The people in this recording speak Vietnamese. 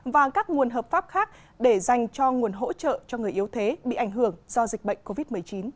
và các nguồn hợp pháp khác để dành cho nguồn hỗ trợ cho người yếu thế bị ảnh hưởng do dịch bệnh covid một mươi chín